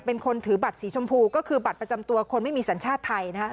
เป็นคนถือบัตรสีชมพูก็คือบัตรประจำตัวคนไม่มีสัญชาติไทยนะครับ